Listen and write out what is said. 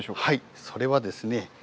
はいそれはですね